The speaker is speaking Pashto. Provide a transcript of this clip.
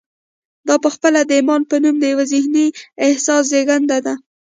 دا پخپله د ایمان په نوم د یوه ذهني احساس زېږنده ده